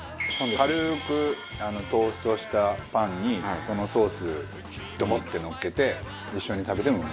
軽くトーストしたパンにこのソースドボッてのっけて一緒に食べても。